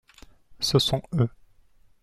Ce sont eux.